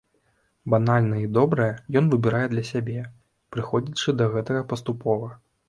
Банальнае і добрае ён выбірае для сябе, прыходзячы да гэтага паступова.